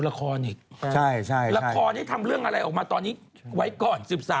ละครนี้ทำเรื่องอะไรออกมาตอนนี้ไว้ก่อน๑๓ชีวิต